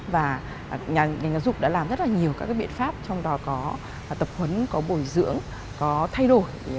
và nhà giáo dục đã làm rất là nhiều các biện pháp trong đó có tập huấn có bồi dưỡng có thay đổi